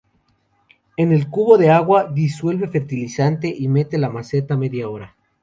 En el cubo de agua disuelve fertilizante y mete la maceta media hora.